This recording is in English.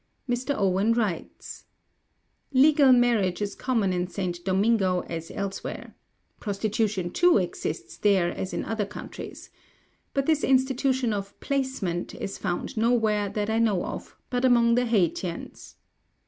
Mr. Owen writes: "Legal marriage is common in St. Domingo as elsewhere. Prostitution, too, exists there as in other countries. But this institution of placement is found nowhere, that I know of, but among the Haytians.